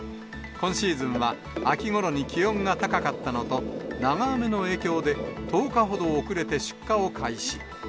今シーズンは、秋ごろに気温が高かったのと、長雨の影響で、１０日ほど遅れて出荷を開始。